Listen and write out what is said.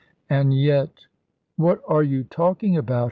And yet "What are you talking about?"